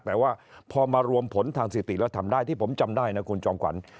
แต่ว่าพอมารวมผลทางสิติแล้วทำได้ที่ผมจำได้นะคุณจอมขวัญ